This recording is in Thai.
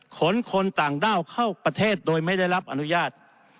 คนคนต่างด้าวเข้าประเทศโดยไม่ได้รับอนุญาต